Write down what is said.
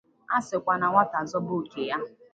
A sịkwa na nwata zọba oke ya